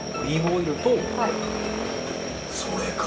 それか。